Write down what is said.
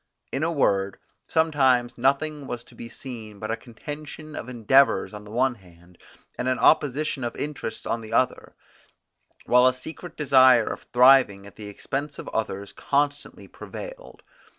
In a word, sometimes nothing was to be seen but a contention of endeavours on the one hand, and an opposition of interests on the other, while a secret desire of thriving at the expense of others constantly prevailed.